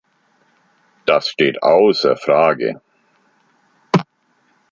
Das steht außer Frage!